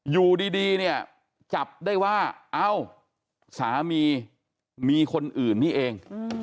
อยู่ดีเนี่ยจับได้ว่าเอ้าสามีมีคนอื่นนี่เอง